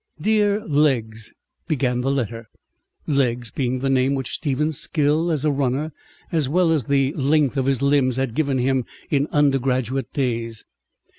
"DEAR LEGS," began the letter ("Legs" being the name which Stephen's skill as a runner, as well as the length of his limbs, had given him in undergraduate days).